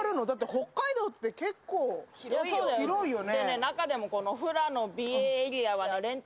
北海道って結構広いよね。